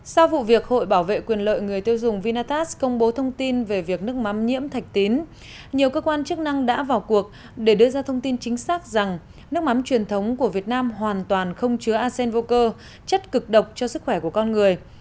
sau vụ việc hội bảo vệ quyền lợi người tiêu dùng vinatast công bố thông tin về việc nước mắm nhiễm thạch tín nhiều cơ quan chức năng đã vào cuộc để đưa ra thông tin chính xác rằng nước mắm truyền thống của việt nam hoàn toàn không chứa acen vô cơ chất cực độc cho sức khỏe của con người